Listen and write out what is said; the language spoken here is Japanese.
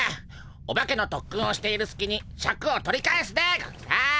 オバケのとっくんをしているすきにシャクを取り返すでゴンス。